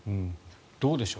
どうでしょう。